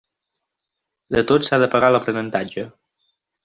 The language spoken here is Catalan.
De tot s'ha de pagar l'aprenentatge.